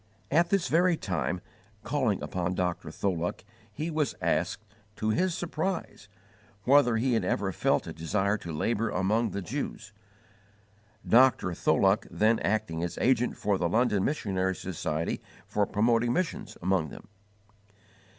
At this very time, calling upon Dr. Tholuck, he was asked, to his surprise, whether he had ever felt a desire to labour among the Jews Dr. Tholuck then acting as agent for the London Missionary Society for promoting missions among them.